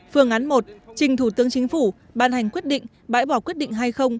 phương án một trình thủ tướng chính phủ ban hành quyết định bãi bỏ quyết định hai mươi